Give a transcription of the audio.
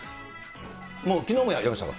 もうきのうもやりましたか？